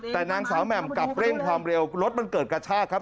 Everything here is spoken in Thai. แต่นางสาวแหม่มกลับเร่งความเร็วรถมันเกิดกระชากครับ